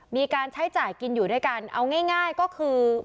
มีการใช้จ่ายกินอยู่ด้วยกันเอาง่ายก็คือ